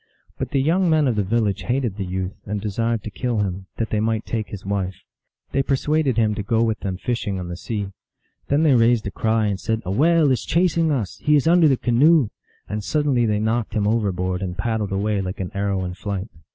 But the young men of the village hated the youth, and desired to kill him, that they might take his wife. They persuaded him to go with them fishing on the sea. Then they raised a cry, and said, " A whale is chasing us ! he is under the canoe !" and suddenly they knocked him overboard, and paddled away like an arrow in flight.